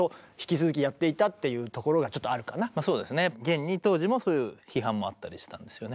現に当時もそういう批判もあったりしたんですよね。